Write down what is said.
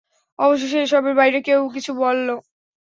অবশেষে এসবের বাইরে কেউ কিছু বললো।